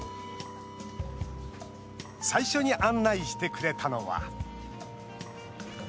最初に案内してくれたのは。